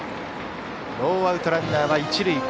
ノーアウトランナーは一塁。